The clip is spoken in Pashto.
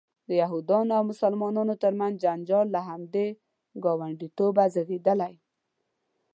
د یهودانو او مسلمانانو ترمنځ جنجال له همدې ګاونډیتوبه زیږېدلی.